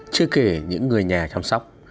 chưa kể những người nhà chăm sóc